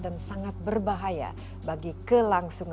dan sangat berbahaya bagi kelangsungan